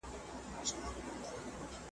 له پېزوانه اوښکي څاڅي د پاولیو جنازې دي .